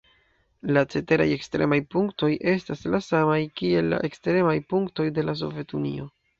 La ceteraj ekstremaj punktoj estas la samaj kiel la ekstremaj punktoj de la Sovetunio.